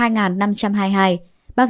nghệ an hai năm trăm chín mươi chín